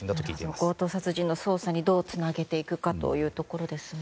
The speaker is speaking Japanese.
強盗傷害事件の捜査にどうつなげていくかというところですね。